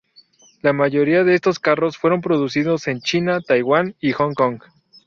La mayoría de estos carros fueron producidos en China, Taiwán y Hong Kong.